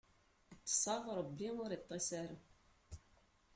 Ṭṭseɣ, Ṛebbi ur iṭṭis ara.